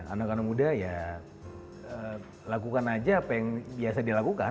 anak anak muda ya lakukan aja apa yang biasa dilakukan